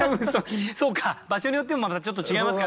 そうか場所によってもまたちょっと違いますからね。